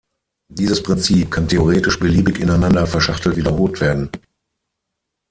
Dieses Prinzip kann theoretisch beliebig ineinander verschachtelt wiederholt werden.